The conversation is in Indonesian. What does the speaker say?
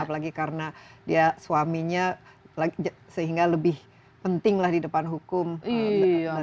apalagi karena dia suaminya sehingga lebih pentinglah di depan hukum daripada istrinya dan lain sebagainya